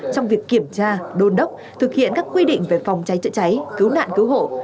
trong việc kiểm tra đôn đốc thực hiện các quy định về phòng cháy chữa cháy cứu nạn cứu hộ